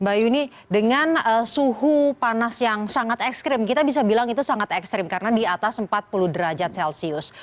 mbak yuni dengan suhu panas yang sangat ekstrim kita bisa bilang itu sangat ekstrim karena di atas empat puluh derajat celcius